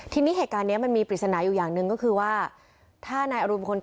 ทีนี้เหตุการณ์นี้มันมีปริศนาอยู่อย่างหนึ่งก็คือว่าถ้านายอรุณคน